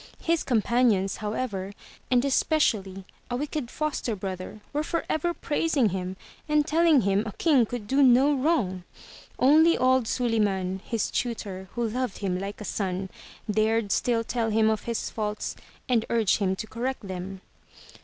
His companions, however, and especially a wicked foster brother were forever praising him and telling him a king could do no wrong. Only old Suliman, his tutor, who loved him like a son, dared still tell him of his faults and urge him to correct them.